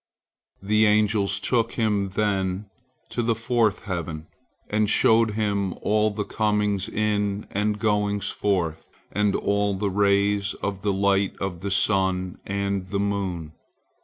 The angels took him then to the fourth heaven, and showed him all the comings in and goings forth, and all the rays of the light of the sun and the moon.